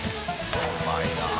うまいなあ。